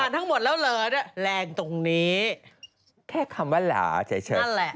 ทั้งหมดแล้วเหรอแรงตรงนี้แค่คำว่าหลาเฉยนั่นแหละ